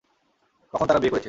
কখন তারা বিয়ে করেছে?